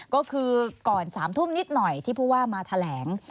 ก็คือก่อน๓ทุ่มนิดหน่อยที่ผู้ว่ามาแถลง